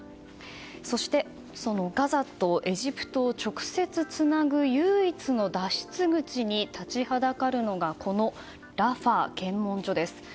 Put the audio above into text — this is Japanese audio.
そして、そのガザとエジプトを直接つなぐ、唯一の脱出口に立ちはだかるのがこのラファ検問所です。